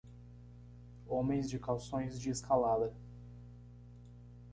Homens de calções de escalada.